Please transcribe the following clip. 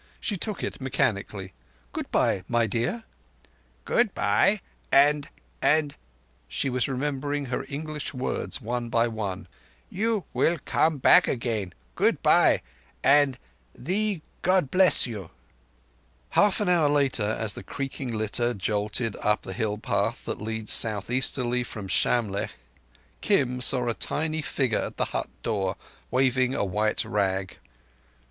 She took it mechanically. "Good bye, my dear." "Good bye, and—and"—she was remembering her English words one by one—"you will come back again? Good bye, and—thee God bless you." Half an hour later, as the creaking litter jolted up the hill path that leads south easterly from Shamlegh, Kim saw a tiny figure at the hut door waving a white rag.